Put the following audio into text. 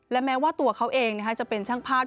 และแม้ว่าตัวเขาเองจะเป็นช่างภาพ